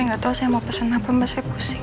saya gak tau saya mau pesen apa mbak saya pusing